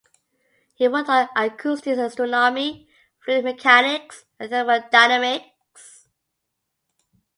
He worked on acoustics, astronomy, fluid mechanics and thermodynamics.